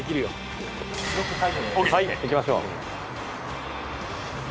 はい行きましょう。